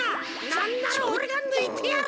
なんならオレがぬいてやる！